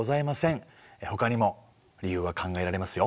ほかにも理由は考えられますよ。